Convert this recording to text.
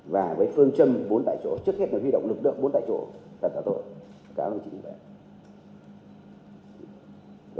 và với phương châm bốn tại chỗ trước hết là huy động lực lượng bốn tại chỗ thật là tội cảm ơn chính phủ